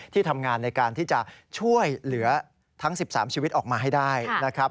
ที่ทำงานในการที่จะช่วยเหลือทั้ง๑๓ชีวิตออกมาให้ได้นะครับ